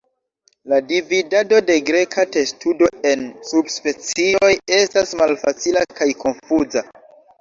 La dividado de Greka testudo en subspecioj estas malfacila kaj konfuza.